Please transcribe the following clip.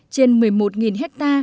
trên một mươi một hecta